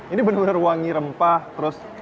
ini benar benar wangi rempah terus